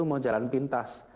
mau jalan pintas